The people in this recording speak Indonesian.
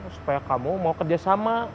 supaya kamu mau kerjasama